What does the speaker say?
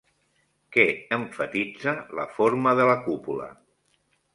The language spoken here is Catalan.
Què emfatitza la forma de la cúpula?